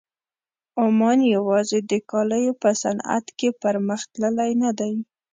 عمان یوازې د کالیو په صنعت کې پرمخ تللی نه دی.